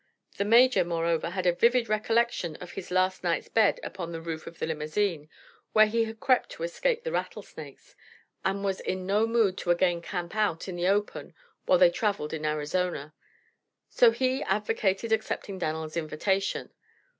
The Major, moreover, had a vivid recollection of his last night's bed upon the roof of the limousine, where he had crept to escape rattlesnakes, and was in no mood to again camp out in the open while they traveled in Arizona. So he advocated accepting Dan'l's invitation.